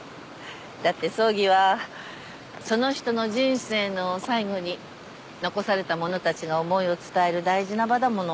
だって葬儀はその人の人生の最後に残された者たちが思いを伝える大事な場だもの。